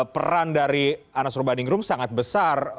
peran dari anas urbandingrum sangat besar